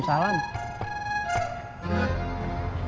masih dulu bang bang